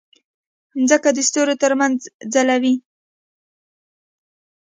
مځکه د ستورو ترمنځ ځلوي.